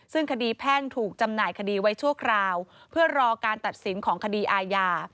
ซึ่งคดีแพ่งถูกจำหน่ายคดีไว้ชั่วคราวเพื่อรอการตัดสินของคดีอาญา